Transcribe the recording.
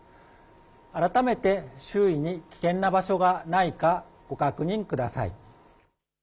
改めて周囲に危険な場所がないかご確認ください。